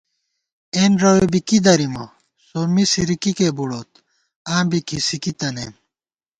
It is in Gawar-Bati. اېن رَوے بی کی دَرِمہ ، سومّی سِرِکِکے بُڑوت ، آں بی کھِسِکی تَنَئم